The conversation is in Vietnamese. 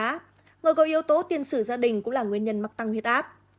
ngồi gầu yếu tố tiền sử gia đình cũng là nguyên nhân mắc tăng nguyết áp